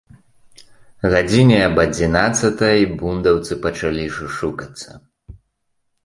Гадзіне аб адзінаццатай бундаўцы пачалі шушукацца.